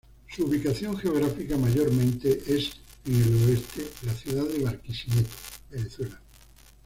Su ubicación geográfica mayormente es en el oeste la ciudad de Barquisimeto, Venezuela.